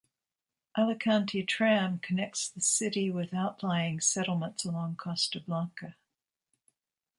Alicante Tram connects the city with outlying settlements along Costa Blanca.